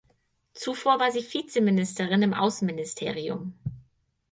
Zuvor war sie Vizeministerin im Außenministerium.